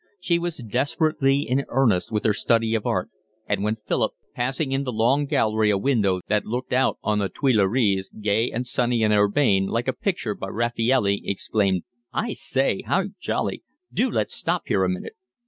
She was desperately in earnest with her study of art, and when Philip, passing in the Long Gallery a window that looked out on the Tuileries, gay, sunny, and urbane, like a picture by Raffaelli, exclaimed: "I say, how jolly! Do let's stop here a minute."